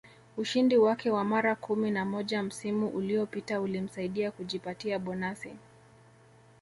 Ushindi wake wa mara kumi na moja msimu uliopita ulimsaidia kujipatia bonasi